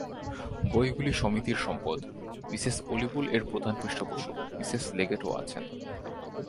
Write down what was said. বইগুলি সমিতির সম্পদ, মিসেস ওলি বুল এর প্রধান পৃষ্ঠপোষক, মিসেস লেগেটও আছেন।